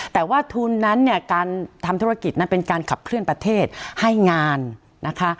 แต่ว่าทุนนั้นเนี่ยการทำธุรกิจนั้นเป็นการขับเคลื่อนประเทศให้งานนะคะ